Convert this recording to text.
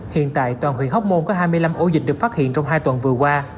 hiện tại toàn huyện hóc môn có hai mươi năm ổ dịch được phát hiện trong hai tuần vừa qua